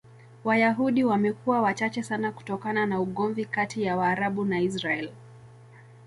Wayahudi wamekuwa wachache sana kutokana na ugomvi kati ya Waarabu na Israel.